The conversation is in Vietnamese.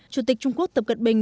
chủ tịch trung quốc tập cận bình